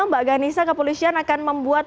mbak ghanisa kepolisian akan membuat